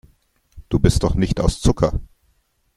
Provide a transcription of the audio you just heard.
Du bist doch nicht aus Zucker.